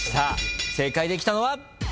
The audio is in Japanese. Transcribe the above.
正解できたのは。